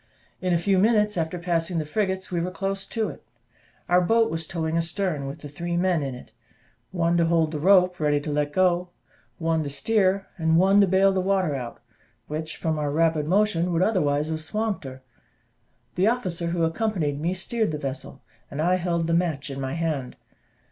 In a few minutes after passing the frigates we were close to it; our boat was towing astern, with three men in it one to hold the rope ready to let go, one to steer, and one to bale the water out, which, from our rapid motion, would otherwise have swamped her. The officer who accompanied me steered the vessel, and I held the match in my hand.